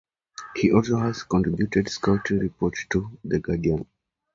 He also has contributed scouting reports to "The Guardian".